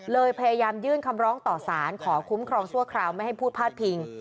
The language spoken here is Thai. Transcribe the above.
พยายามยื่นคำร้องต่อสารขอคุ้มครองชั่วคราวไม่ให้พูดพาดพิง